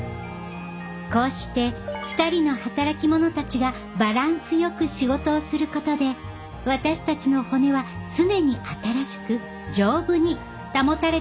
こうして２人の働き者たちがバランスよく仕事をすることで私たちの骨は常に新しく丈夫に保たれているのです。